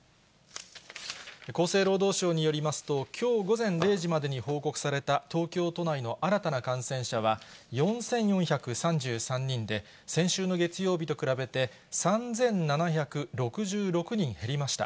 厚生労働省によりますと、きょう午前０時までに報告された東京都内の新たな感染者は４４３３人で、先週の月曜日と比べて３７６６人減りました。